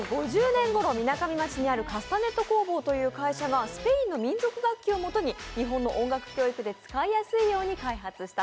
１９５０年ごろ、みなかみ町にあるカスタネット工房がスペインの民族楽器をもとに日本の音楽教育で使いやすいように開発。